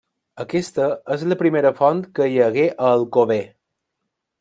Aquesta és la primera font que hi hagué a Alcover.